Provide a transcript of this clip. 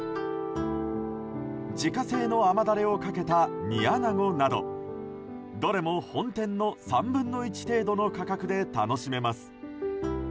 自家製の甘ダレをかけた煮アナゴなどどれも本店の３分の１程度の価格で楽しめます。